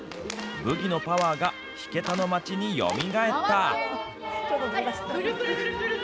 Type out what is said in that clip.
ブギのパワーが引田の町によみがえった。